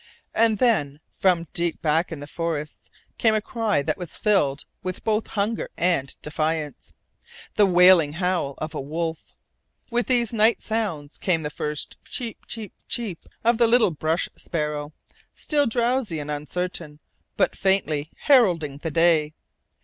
And then, from deep back in the forests, came a cry that was filled with both hunger and defiance the wailing howl of a wolf. With these night sounds came the first cheep, cheep, cheep of the little brush sparrow, still drowsy and uncertain, but faintly heralding the day.